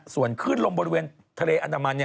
ส่วนขึ้นลมบริเวณทะเลอันดามัน